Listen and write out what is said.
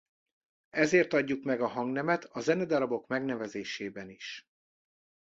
Ezért adjuk meg a hangnemet a zenedarabok megnevezésében is.